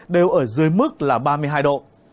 đều ở dưới mức là ba mươi hai độ